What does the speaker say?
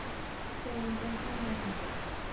Se la encuentra en Asia.